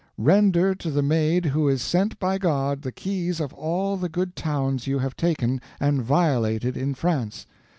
Render to the Maid who is sent by God the keys of all the good towns you have taken and violated in France.